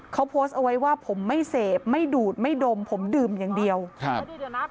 เขาโพสต์เอาไว้ว่าผมไม่เสพไม่ดูดไม่ดมผมดื่มอย่างเดียวครับ